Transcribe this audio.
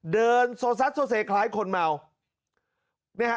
เดินโซซัดโซเซคล้ายคนเหมา